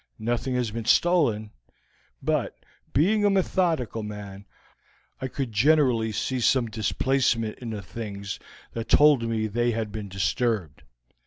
Nothing has been stolen, but, being a methodical man, I could generally see some displacement in the things that told me they had been disturbed.